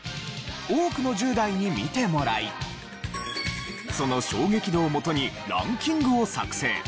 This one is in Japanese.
多くの１０代に見てもらいその衝撃度をもとにランキングを作成。